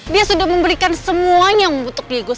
dia sudah memberikan semuanya untuk diego